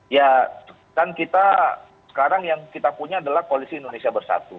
ya kan kita sekarang yang kita punya adalah koalisi indonesia bersatu